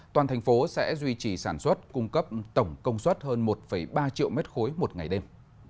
toàn thành phố sẽ duy trì sản xuất cung cấp tổng công suất hơn một ba triệu mét khối một ngày đêm